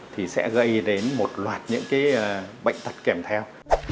thì sẽ gây đến một loạt những cái bệnh tật kèm theo